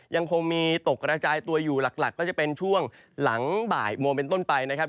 ยังคงมีตกกระจายตัวอยู่หลักก็จะเป็นช่วงหลังบ่ายโมงเป็นต้นไปนะครับ